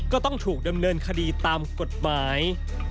ก็ต้องถูกดำเนินคดีตามกฎหมาย